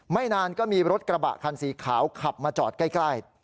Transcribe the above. นานก็มีรถกระบะคันสีขาวขับมาจอดใกล้